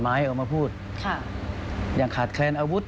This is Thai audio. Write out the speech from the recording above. ออกมาพูดค่ะอย่างขาดแคลนอาวุธ